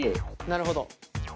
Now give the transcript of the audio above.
なるほど。